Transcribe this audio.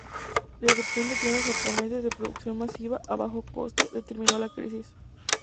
La irrupción de pianos japoneses, de producción masiva a bajo coste, determinó la crisis.